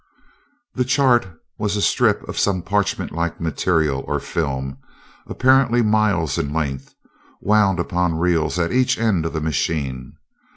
The "chart" was a strip of some parchment like material, or film, apparently miles in length, wound upon reels at each end of the machine.